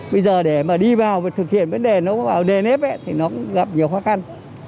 bây giờ để mà đi vào và thực hiện vấn đề nó có vào dếp thì nó cũng gặp nhiều khó khăn